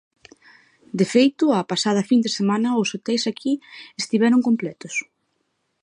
De feito, a pasada fin de semana os hoteis aquí estiveron completos.